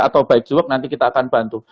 atau baik jawab nanti kita akan bantu